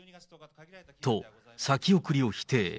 と、先送りを否定。